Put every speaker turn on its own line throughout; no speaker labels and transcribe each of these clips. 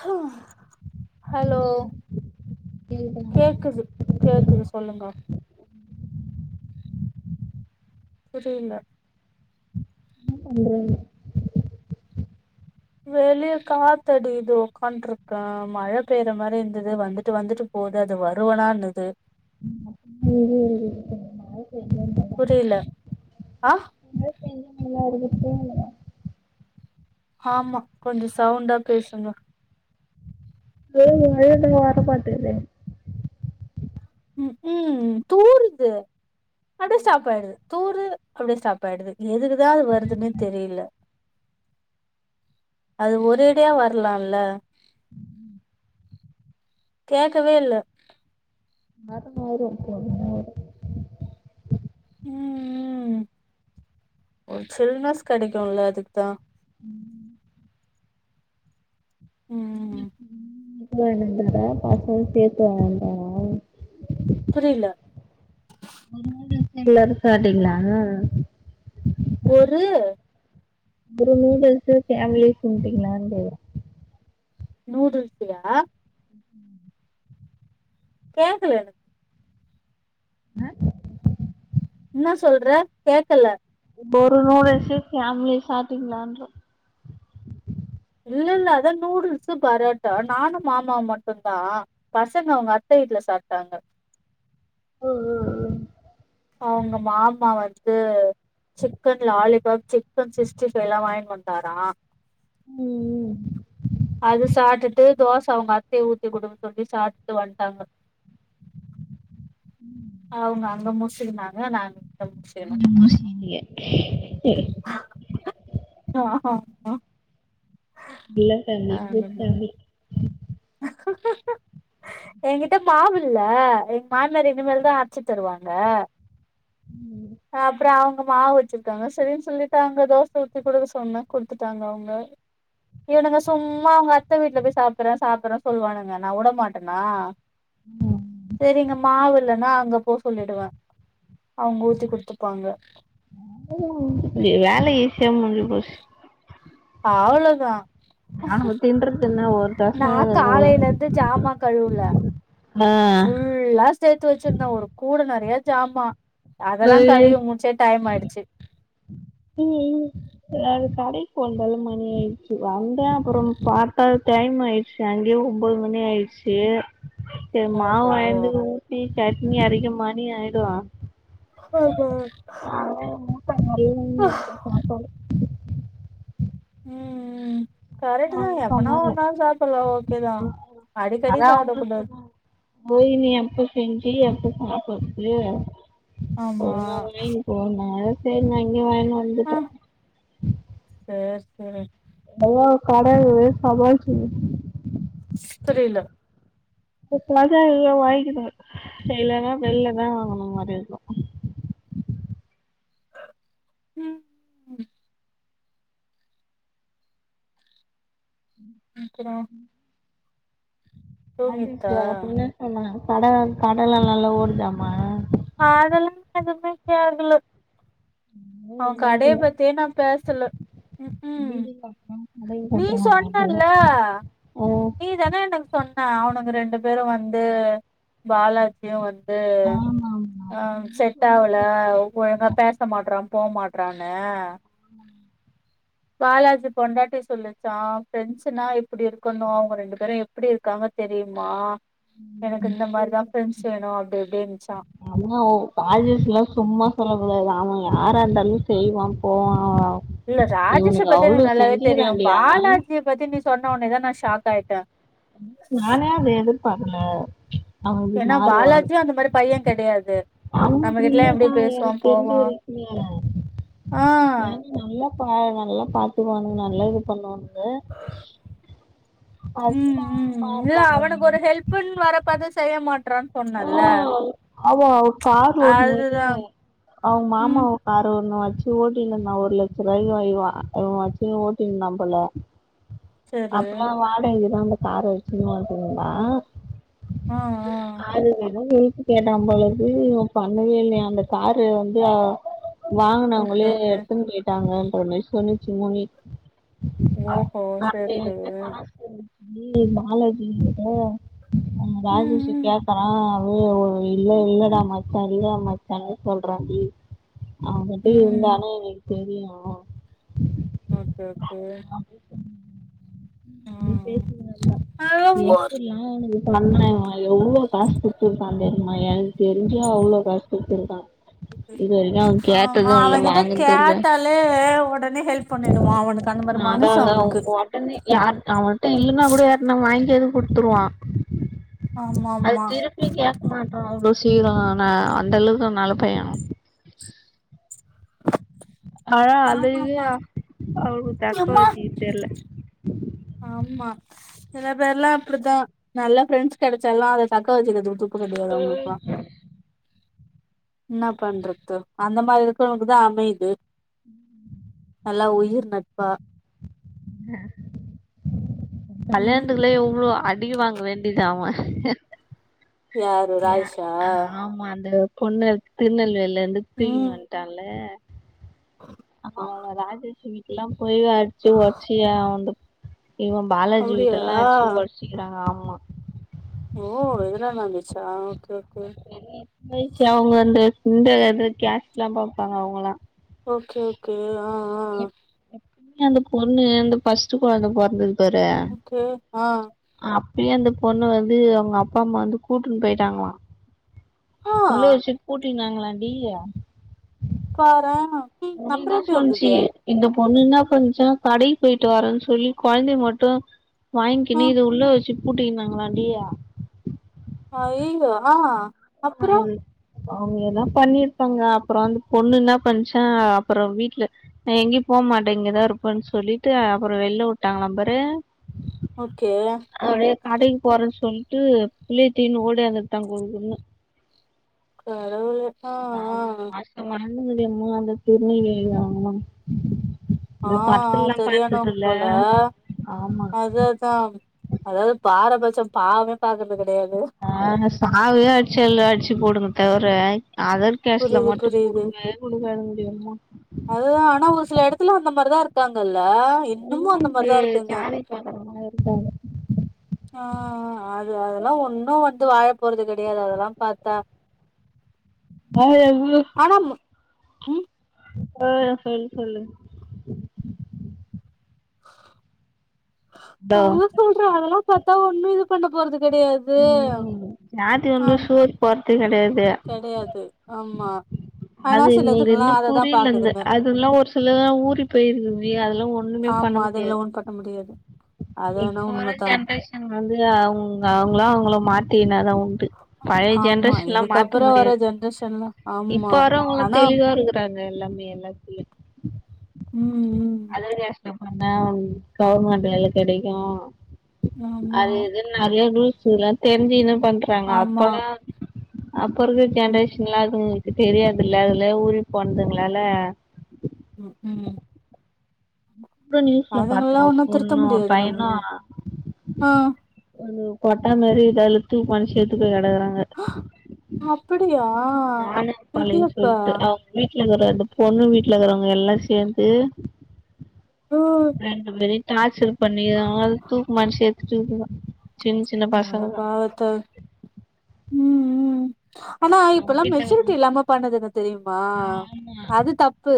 ஹா ஹலோ
என்ன
கேக்குது கேக்குது சொல்லுங்க புரியில
பண்றீங்
வெளிய காத்தடிக்குது ஒக்கான்ட்ருக்க மழ பெய்ற மாரி இந்துது வந்துட்டு வந்துட்டு போது அது வருவனான்னுது
[inaudible]
புரியில ஆ
இல்ல [unintelligible]
ஆமா கொஞ்சு சவுண்டா பேசுங்க
வெய்லு வெயிலு வரமாட்டுதே
ம்க்ம் தூருது அப்டே ஸ்டாபாயிடுது துர்து அப்டே ஸ்டாபாயிடுது எதுக்குதா அது வருதுனே தெரியல அது ஒரேடியா வரலால்ல கேக்கவே இல்ல
வரு வரு [inaudible]
ம் ம் ஒரு சில்லன்ஸ் கெடைக்குல அதுக்தா ம்
எனக்குதா பாசம் பேச வந்தாரா
புரில
எல்லாரு சாப்ட்டீங்ளா
ஒரு
அப்றோ நூடல்ஸ்சு ஃபேமிலியா தின்ட்டீங்களா நூடல்ஸ்
நூடல்ஸியா கேக்குல எனக்கு
அ
என்ன சொல்ற கேக்கல
ஒரு நூடுல்ஸ்சே ஃபேமிலியா சாப்டீங்களான்ற
இல்ல இல்ல அதா நூடுல்ஸ்சு பரோட்டா நானும் மாமா மட்டும் தா பசங்க அவங்க அத்த வீட்ல சாப்டாங்க
ம் ம் ம்
அவுங்க மாமா வந் து சிக்கன் லாலிபாப் சிக்கன் சிக்ஸ்டி ஃபைல்லாம் வாய்ன்ட்டு வன்டாராம்
ம் ம்
அது சாப்டுட்டு தோசை அவுங்க அத்தைய ஊத்தி குடுக்க சொல்லி சாப்ட்டு வன்ட்டாங்க
ம்
அவுங்க அங்க முஸ்லிமாங்க நானு
இந்து முஸ்லிம்ங்கே ஏ
ஆஹஹ
இல்ல ஃபேமிலி குட் ஃபேமிலி
என் கிட்ட மாவு இல்ல எங் மாமனார் இனிமேல் தான் அரச்சு தருவாங்க
ஃபேமிலி
அப்றோ அவுங்க மாவச் சிருக்காங்க சேரின்னு சொல்லிட்டு அங்க தோச ஊத்தி குடுக்க சொன்ன குடுத்துட்டாங்க அவுங்க இவனுங்க சும்மா அவுங்க அத்த வீட்ல போய் சாப்பறே சாப்பறேன் சொல்லுவானுங்க நான் விட மாட்டேனா சேரி இங்க மாவுல்லனா அங்க போ சொல்லிடுவ அவுங்க ஊத்தி குடுத்துப்பாங்க
இங்க வேல ஈசியா முஞ்சு போசு
அவ்ளோதா
அவனுங்க தின்றது என்ன ஒரு தோச
நா
ஒரு
காலையில இருந்து ஜாமான் கழுவுல
ஆ
ஃபுல்லா சேர்த்து வச்சிருந்தன் ஒரு கூட நறையா ஜாமான் அதல்லா
அது
கழுவி முடிச்சே டைம் ஆய்டுச்சு
ம் ம் அது கடைக்கு வந்தல மணி ஆய்டுச்சு வந்தேன் அப்பறோம் பார்த்த டைம் ஆய் அங்கே ஒம்போது மணி ஆய்டுச்சு சேர்
ஓஹோ
மாவுவாய்ந்து ஊத்தி சட்னி அரைக்க மணி ஆய்டுவா
ஓ ஹோ
அதல்லா என் மூத்தாரு மாரியே இருக்கும் சாப்பாடு
ம் ம் கரெக்டு
அவங்க
தான் எப்பனா
சொன்னாங்க
ஒரு நாள் சாப்படலாம் ஓகே தான் அடிக்கடி
அதான்
சாப்பிடக்
அவங்களுக்கு
கூடாது
சொன்னாங்க போய் நீ எப்போ செஞ்சி எப்போ சாப்பறத்து
ஆமா
ஒலுங்கா வாய்னு போன்னாங்க சேரி நா இங்கே வாய்னு
ஆ
வந்துட்ட
சேர் சேர்
நல்லா கட இருக்க சமாளிசிட்டு
புரில
எப்பனாது இங்க வாங்கிட்டு போற செய்லன்னா வெள்ல தான் வாங்கன மாரி இருக்கும்
ம் ம் குடா
[unintelligible]
தூங்கிட்டா
சொன்னா கட கடலா நல்லா ஓடுதாமா
அதெல்லா [unintelligible] அவ கடைய
இல்ல
பத்தியே நான் பேசல ம் க்கு
[unintelligible]
நீதான எனக்கு சொன்ன அவனுங்க ரெண்டு பேரு வந்து பாலாஜியு வந் து
ஆமாமா
அவனுக் செட் ஆவல ஒழுங்கா பேச கத்த மாட்றான் போ மாட்றான்னு
ம்
பாலாஜி பொண்டாட்டி சொல்லுச்சா ஃப்ரெண்ட்ஸ்னா இப்டி இருக்கணு இப்ப ரெண்டு பேரு எப்டி இருக்காங்க தெரியுமா எனக்கு இந்த மாரிதா ஃப்ரெண்ட்ஸ் வேணு அப்படி இப்டின்ச்சா
அண்ணா ஓ ராஜேஷ்லா சும்மா சொல்லக்கூடாது அவ யாரா இருந்தாலு செய்வா போவா
இல்ல ராஜேஷ
இவனுக்கு
பத்தி
அவ்ளோ
எனக்கு நல்லாவே தெரியு
செஞ்சுக்கிறான்டி அவன்
பாலாஜிய பத்தி நீ சொன்ன ஒனேதா நா ஷாக் ஆய்ட்ட
நானே அத எதிர்பாக்கல
ஏனா பாலாஜியு அந்த மாரி பைய கெடையாது
அவனு அப்டி
நம்மகிட்டலா
இல்லதா
எப்டி பேசுவா
எனக்கு தெரிஞ்ச
போவா
வரைக்கு
ஆ
என நல்லா பா நல்லா பாத்துக்குவானு நல்லா இது பண்ணுவானுங்க [unintelligible]
குன் வரப்பதான் செய்ய மாட்றான்
ம் அவ கார் ஓட்ன
அதுதா
நவீனு அவங்க மாமா
ம்
கார ஒன்னு வச்சு ஓட்டினுருந்தா ஒரு லட்ச ரூபாய் [unintelligible] வச்சு ஓட்டினுருந்தான் போல
சரி
அப்பல்லா வாடகைக்குதா அந்த கார வச்சுன் ஓட்டினுருந்தா
ஆ ஆ
அது வந்து வித்து கேட்டா போலருக்கு இவ பண்ணவே இல்லையா அந்த காரு வந்து அவ
ஓகே
வாங்கினவங்களே
ஓகே
எடுத்துன் போய்ட்டாங்கன்ற மாரி சொன்னுச்சு சும்மவே
ஓஹோ சேரி சேரி
[unintelligible] அ ராஜேஷ்
ம்
கேட்டா அது இல்ல
ம்
இல்லடா மா சரியா மச்சானு சொல்ராண்டி அவகிட்ட
ம்
இருந்தானு எனக்கு தெரியு
ஓகே ஓகே
அப்டின்னு
ம்
[unintelligible] எவ்ளோ காசு குடுத்துருக்கா தெரியுமா எனக்கு தெரிஞ்சு அவ்ளோ காசு குடுத்துருக்கா இது எல்லா
ஆமா அவன்கிட்ட கேட்டாலே உடனே ஹெல்ப் பண்ணிடுவா அவனுக்கு அந்த மாரி
அதா
மனுசு
அதா
அவனுக்கு
யார் அவன்ட்ட இல்லைன்னா கூட யாருட்டனா வாங்கியாது குடுத்துருவா
ஆமா
அது
ஆமா
திருப்பி கேட்க் மாட்டா அவ்ளோ சீக்கிர ஆனா அந்த அளவுக்கு நல்ல பைய ஆ அந்த இது
ஆமாமா
அவருக்கு தக்க
எம்மா
வச்சுக்க தெர்ல
ஆமா சில பேர்லா அப்டிதா நல்ல ஃப்ரெண்ட்ஸ் கிடைச்சால்லா அத தக்க வச்சுக்கிறத உட்டுட் [unintelligible] இன்னா பண்றது அந்த மாரி இருக்குறவனுக்குதா அமையுது நல்லா உயிர் நட்பா ம்
கல்யாணத்துக்குலா எவ்ளோ அட் வட்டிக்கு வாங்க வேண்டியதா அவ
யாரு
ய
ராஜேஷா
ஆமா அந்த பொண்ணு திருநெல்வேல்ல இருந்து தூக்கினு
ம்
வந்ட்டான்ல ஆமா அவன ராஜேஷ் வீட்லலா போய் அடிச்சு ஒட்சு அவன்து இவன் பாலாஜி வீட்ட
அப்டியா
எல்லா அச்சு ஒச்சுகிறாங்க ஆமா
ஓ இதல்லா நடந்துச்சா ஓகே ஓகே
ச்சு அவுங்க இந்த இது கேஸ்ட்லா பாப்பாங்க அவுங்கல்லா
ஓகே ஓகே ஆ ஆ
ய அந்த பொண்ணு அந்த ஃபஸ்ட் கொழந்த பொறந்துது பாரு
ஓகே ஆ
அப்பயே அந்த பொண்ணு வந்து அவுங்க அப்பா அம்மா வந்து கூட்டுன்னு போயிட்டாங்களா
ஆ
உள்ளையே வச்சு பூட்டிந்தாங்ளா டீ
பாரே
முனிதா சொன்சி இந்த பொண்ணு இன்னா பன்சா கடைக் போய்ட்டு வரேன் சொல்லி கொழந்தய மட்டு
ஆ
வாங்கின்னு இத உள்ள வச்சு பூட்டிங்கினாங்களாண்டி
அய்யயோ ஆ அப்றோ
[inaudible] அவுங்க எல்லா பண்ணிருப்பாங்க அப்புற அந்த பொண்ணு இன்னா பண்ச்சா அப்புற வீட்ல நா எங்கேயு போ மாட்டே இங்கதா இருப்பன் சொல்லிட்டு அப்புற வெளில விட்டாங்களா பாரு
ஓகே
அப்டியே கடைக் போறேன் சொல்லிட்டு பிள்ளய தூக்கினு ஓடி ஆந்துட்டா குடுகுடுனு
கடவுளே ஆ ஆ
நால் மாசமா இருந் யம்மா அந்த திருநெல்வேலி யாமா
ஆ ஆ சரியானவங்க போல
ஆமா
அததா அதாவது பாரபட்சம் பாவமே பாக்றது கெடையாது
அ சாவயே அட்ச்சு எல்லா அட்ச்சு போடுனே தவிர அத கேஷ்ல
புரியுது
மட்டு
புரியுது
குடுக்கவே குடுக்காதீங்டி யம்மா
அதுதா ஆனா ஒரு சில எடத்துல அந்த மாதிரிதா இருக்காங்கல்ல இன்னமு
என்னமோ
அந்த
இது
மாதிரிதா இருக்காங்க
[unintelligible]
அ அ அது அதெல்லா ஒன்னு வந்து வாழ போறது கெடயாது அதெல்லா பாத்தா
[inaudible] [unintelligible]
ஆனாம்மு
அ சொல்லு சொல்லு இதோ
அதா சொல்றே அதெல்லா பத்தா ஒண்ணு இது பண்ண போறது கெடயாது
ம் ஜாதி வந்து சோர் போற்து கெடையாது
கெடையாது ஆமா ஆனா
அது இது
சிலதுங்கல்லா
இன்னு
அததா
புரியில இந்த
பாக்குதுங்க
அதுல்லா ஒரு சில ஊறி போயிருக்து டி அதெல்லா ஒண்ணுமே பண்ண மு
இதேல்லா ஒன் பண்ண முடியாது அது
இப்ப
வேணா
வற
உண்மதா
ஜென்ரேஷன் வந்து அவுங்க அவுங்களா அவுங்கள மாத்தி கினாதா உண்டு பழைய
ஆமா
ஜென்ரேஷன்லா மாத்த
இதுக்கப்புறோ வர
முடியாது
ஜென்ரேஷன்லா
இப்ப
ஆமா
வரவங்கலா
ஆனா
தெளிவா இருக்கு ட்டாங்க எல்லாமே எல்லாத்தில
ம் ம்
அதர் கேஷ்ல பண்ணா கவர்மண்ட் வேல கெடைக்கு
ஆமா
அது இது நெறைய ரூல்ஸ்ல்லா தெரிஞ்சுகுனு பண்றாங்க
ஆமா
அப்பல்லா அப்ப இருக்க
ம்
ஜென்ரேஷன்லா இதுங்ளுக்கு தெரியாதுல்ல அதுலே ஊரி போனதுங்களால
ம் ம்
இப்போ நியூஸ்ல பாத்த
அதுங்கல்லா
ஒரு
ஒண்ணு திருத்த
பொண்ணு ஒரு
முடியாது
பையனு
நம்மளால ஆ
கோட்டா மாரி [unintelligible] செத்து போய் கெடக்குறாங்க
அப்புடியா
ஆனப்பாளையனு சொல்ட்டு அவுங்க வீட்ல இருக்குற அந்த பொண்ணு வீட்ல இருக்குறவுங்கல்லா சேந்து
ஓ
ரெண்டு பேரையு டார்ச்சர் பண்ணிருக்குறாங்க அது தூக்குமாட்டி செத்துருச்சுங்க சின்ன சின்ன பசங்கதா
அவதார் ம் ம் ஆனா
அவங்க
இப்பல்லா
வீட்ல
மெச்சூரிட்டி
இருக்குறவங்க
இல்லாம பண்ணுதுங்க தெரியுமா
ஆமா
அது தப்பு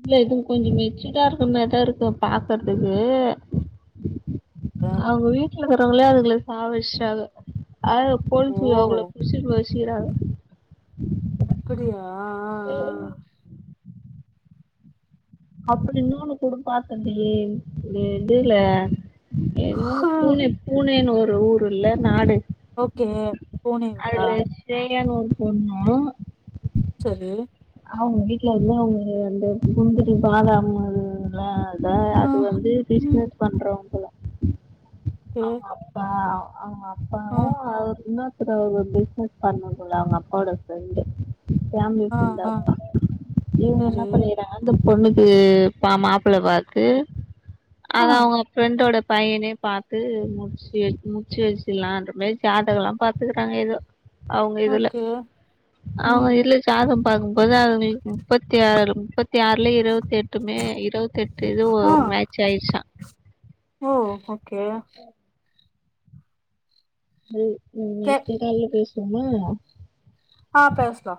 இல்ல இது கொஞ்சோ மெச்சூடா இருக்க மாரிதா இருக்கு பாக்குறதுக்கு
அ
அவுங்க வீட்ல இருக்குறவுங்களே அதுங்கள சாவடுச்சுட்டாங்க அ
ஓ
போலிஸ் அவுங்கள புடுச்சுட்டு போயிருச் சிறாங்க
அப்புடியா ஆ ஆ
அப்புடி இன்னொன்னு கூட பாத்ததுல்லயே இந்த இதுல என்னவோ
ஆ
பூனே பூனேன்னு ஒரு ஊருல்ல நாடு
ஓகே பூனேவா
அது ஸ்ரேயானு ஒரு பொண்ணு
செரி
அவுங்க வீட்லருந்து அவுங்க இந்த சுந்தரி பாலா அவுங்கல்ல த
ஆ
அது வந்து
ம்
பிசினஸ் பண்றவுங்களுக்கு
ஓகே
அவுங்க அப்பா அ அவுங்க
ஆ
அப்பாவும் அவரு இன்ன அப்பறோ அவுங்க பிஸ்னஸ் பண்ண போறாங்க அப்பாவோட ஃப்ரண்டு ஃபேமிலி
ஆ
ஃப்ரண்டு
ஆ
இவுங்க
சரி
என்ன பண்ணிக்கிறாங்க அந்த பொண்ணுக்கு பா மாப்புள்ள பாத்து அத
ஆ
அவுங்க ஃப்ரெண்டோட பையனே பாத் த்து முடுச்சு வச் முடுச்சு வச்சுலான்ற மாரி ஜாதோகல்லா பாத்துக்குறாங்க எதோ அவுங்க இதுல
ஓகே
அவுங்க
ம்
இல்ல ஜாதகோ பாக்கும் போது அதுங்களுக்கு முப்பத்தி ஆறு முப்பத் இருவத்தாருலயே இருவத்தி எட்டுமே இருவத்தி எட்டு இதுவு
ஆ
மேச் ஆயிர்ச்சா
ஓ ஓகே
ம்
கே
நெக்ஸ்ட் கால்ல பேசுவோமா
ஆ பேஸ்லா